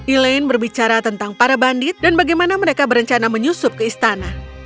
elaine berbicara tentang para bandit dan bagaimana mereka berencana menyusup ke istana